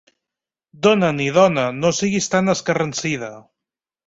Dona-n'hi, dona, no siguis tan escarransida.